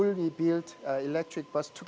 membawa bus elektrik yang